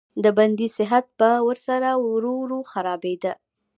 د بندي صحت به ورسره ورو ورو خرابېده.